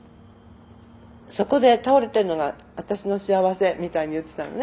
そこで倒れてるのが私の幸せみたいに言ってたのね。